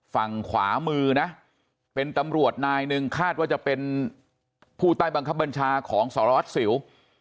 ฝั่งขวามือนะเป็นตำรวจนายหนึ่งคาดว่าจะเป็นผู้ใต้บังคับบัญชาของสารวัตรสิว